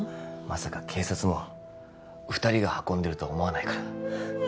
まさか警察も二人が運んでるとは思わないから